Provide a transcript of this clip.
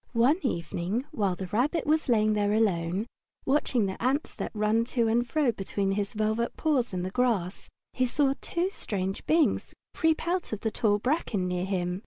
One evening, while the Rabbit was lying there alone, watching the ants that ran to and fro between his velvet paws in the grass, he saw two strange beings creep out of the tall bracken near him.